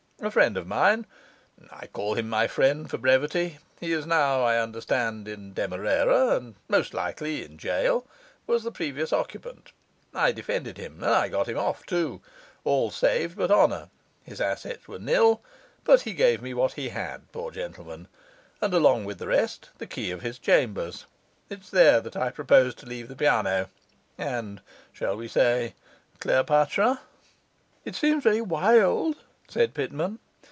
A friend of mine I call him my friend for brevity; he is now, I understand, in Demerara and (most likely) in gaol was the previous occupant. I defended him, and I got him off too all saved but honour; his assets were nil, but he gave me what he had, poor gentleman, and along with the rest the key of his chambers. It's there that I propose to leave the piano and, shall we say, Cleopatra?' 'It seems very wild,' said Pitman.